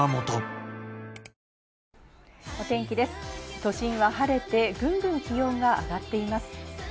都心は晴れてぐんぐん気温が上がっています。